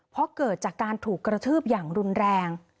เพราะเกิดจากการถูกกระทืบอย่างรุนแรง